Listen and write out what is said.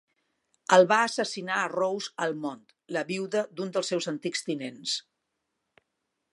El va assassinar Rose Almond, la viuda d'un dels seus antics tinents.